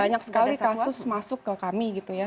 banyak sekali kasus masuk ke kami gitu ya